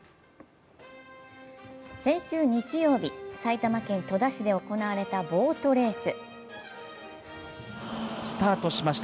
先週日曜日、埼玉県戸田市で行われたボートレース。